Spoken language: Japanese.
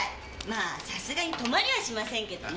まぁさすがに泊まりはしませんけどね。